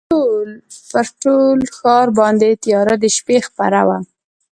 پر ټول ښار باندي تیاره د شپې خپره وه